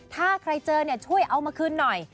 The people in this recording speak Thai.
ถ้าใครเจอช่วยเอามาคืนหน่อย